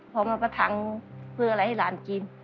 พอมาประถังเพื่ออะไรให้หลานกิน